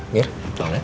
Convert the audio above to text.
mir tolong ya